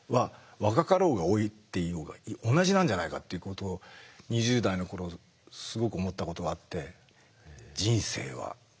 若かろうが老いていようが同じなんじゃないかっていうことを２０代の頃すごく思ったことがあって。